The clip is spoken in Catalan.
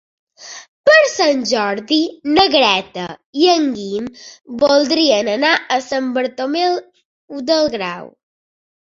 Per Sant Jordi na Greta i en Guim voldrien anar a Sant Bartomeu del Grau.